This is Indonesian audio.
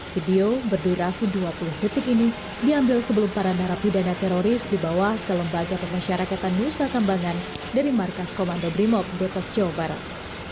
video berdurasi dua puluh detik ini diambil sebelum para narapidana teroris dibawa ke lembaga pemasyarakatan nusa kambangan dari markas komando brimob depok jawa barat